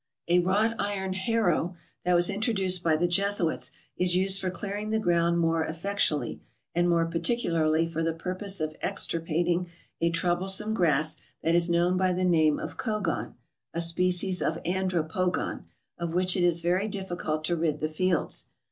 A wrought iron harrow, that was introduced by the Jesuits, is used for clearing the ground more effectually, and more particularly for the purpose of extirpating a troublesome grass that is known by the name of cogon (a species of Andropogon), of which it is very diffi cult to rid the fields.